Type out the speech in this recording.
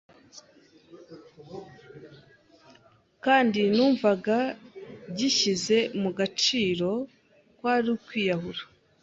kandi numvaga gishyize mu gaciro; kwari ukwiyahura.